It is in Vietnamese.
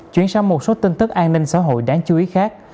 chuyển sang một số tin tức an ninh xã hội đáng chú ý khác